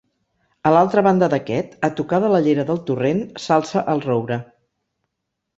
A l'altra banda d'aquest, a tocar de la llera del torrent, s'alça el roure.